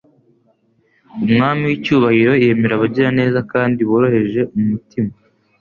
Umwami w' icyubahiro yemera abagira neza kandi borohej e mu mutima.